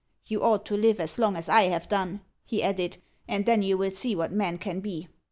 "You ought to live as long as I have done," he added, "and THEN you will see what men can be."